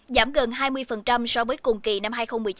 giảm gần hai mươi so với cùng kỳ năm hai nghìn một mươi chín